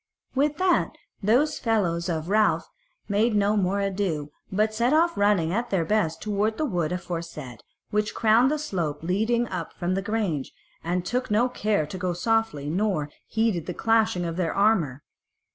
With that those fellows of Ralph made no more ado, but set off running at their best toward the wood aforesaid, which crowned the slope leading up from the grange, and now took no care to go softly, nor heeded the clashing of their armour.